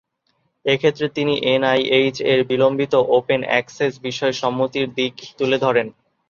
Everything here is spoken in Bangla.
এক্ষেত্রে তিনি এনআইএইচ-এর বিলম্বিত ওপেন অ্যাক্সেস বিষয়ে সম্মতির দিক তুলে ধরেন।